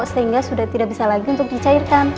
sehingga sudah tidak bisa lagi untuk dicairkan